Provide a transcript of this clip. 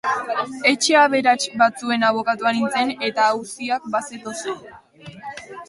Etxe aberats batzuen abokatua nintzen, eta auziak bazetozen.